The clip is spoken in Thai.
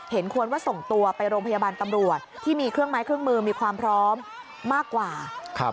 ควรว่าส่งตัวไปโรงพยาบาลตำรวจที่มีเครื่องไม้เครื่องมือมีความพร้อมมากกว่าครับ